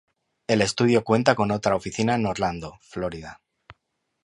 El estudio cuenta con otra oficina en Orlando, Florida.